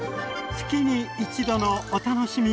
月に一度のお楽しみ！